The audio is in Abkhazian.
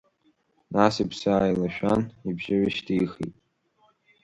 Нас иԥсы ааилашәан, ибжьы ҩышьҭихит…